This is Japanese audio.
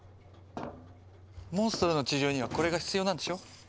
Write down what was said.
モンストロの治療にはこれが必要なんでしょ。